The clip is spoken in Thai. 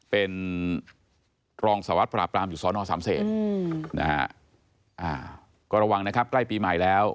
เป็นรองสวัสดิปราบรามอยู่สอนอสามเศษนะฮะก็ระวังนะครับใกล้ปีใหม่แล้ว